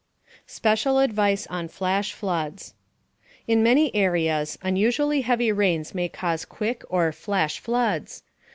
SPECIAL ADVICE ON FLASH FLOODS In many areas, unusually heavy rains may cause quick or "flash" floods.